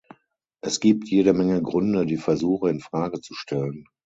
Es gibt jede Menge Gründe, die Versuche in Frage zu stellen.